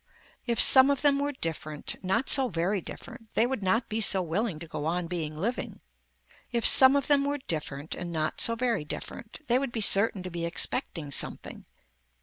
If some of them were different, not so very different, they would not be so willing to go on being living. If some of them were different and not so very different they would be certain to be expecting something.